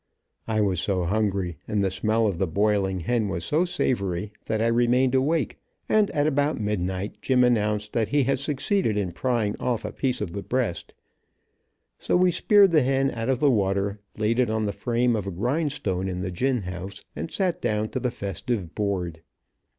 I was so hungry, and the smell of the boiling hen was so Savory, that I remained awake, and at about midnight Jim announced that he had succeeded in prying off a piece of the breast, so we speared the hen out of the water, laid it on the frame of a grindstone in the gin house, and sat down to the festive board.